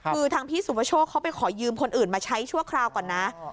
คือทางพี่สุประโชคเขาไปขอยืมคนอื่นมาใช้ชั่วคราวก่อนนะ